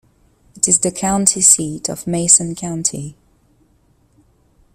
It is the county seat of Mason County.